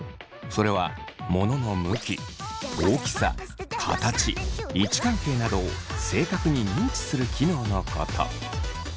それはモノの向き大きさ形位置関係などを正確に認知する機能のこと。